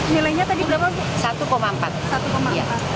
nilainya tadi berapa bu